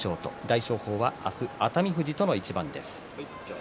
大翔鵬は明日熱海富士との一番です。